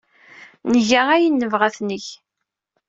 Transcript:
Nga ayen ay nebɣa ad t-neg.